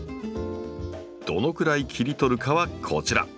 どのくらい切り取るかはこちら。